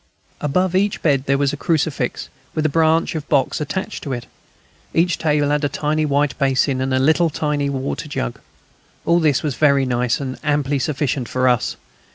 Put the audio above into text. Above each bed there was a crucifix, with a branch of box attached to it. Each table had a tiny white basin and a tiny water jug. All this was very nice, and amply sufficient for us.